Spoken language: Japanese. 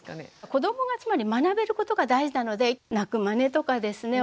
子どもがつまり学べることが大事なので泣くまねとかですね